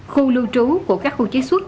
khu lưu trú của các khu chế xuất